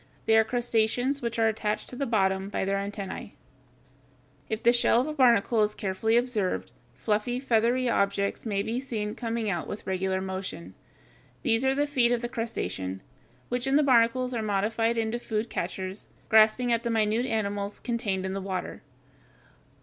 They are crustaceans which are attached to the bottom by their antennæ. [Illustration: FIG. 136. The barnacle: A, from above; B, section from the side.] If the shell of a barnacle is carefully observed, fluffy, feathery objects may be seen coming out with regular motion. These are the feet of the crustacean, which in the barnacles are modified into food catchers, grasping at the minute animals contained in the water.